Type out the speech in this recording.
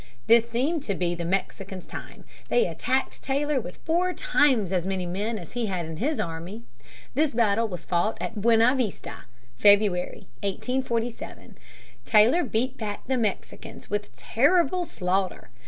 This seemed to be the Mexicans' time. They attacked Taylor with four times as many men as he had in his army. This battle was fought at Buena Vista, February, 1847. Taylor beat back the Mexicans with terrible slaughter.